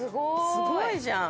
すごいじゃん。